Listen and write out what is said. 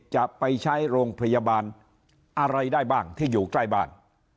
จะไปใช้โรงพยาบาลอะไรได้บ้างที่อยู่ใกล้บ้าน